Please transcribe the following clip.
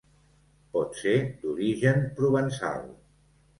Pot ser d'origen provençal.